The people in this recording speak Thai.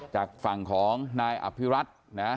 จากฝั่งของนายอภิรัตน์นะ